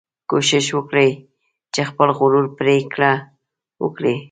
کوشش وکړئ چې خپله غوره پریکړه وکړئ.